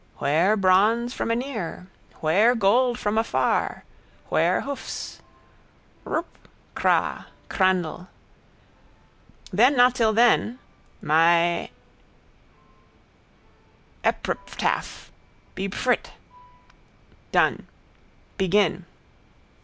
Where bronze from anear? Where gold from afar? Where hoofs? Rrrpr. Kraa. Kraandl. Then not till then. My eppripfftaph. Be pfrwritt. Done. Begin!